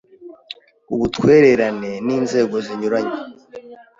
ubutwererane n inzego zinyuranye